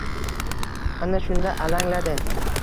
Ana shunda alangladi.